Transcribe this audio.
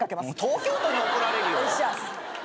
東京都に怒られるよ。